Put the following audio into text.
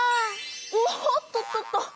おっとっとっと。